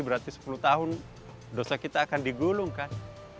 berarti sepuluh tahun dosa kita akan digulungkan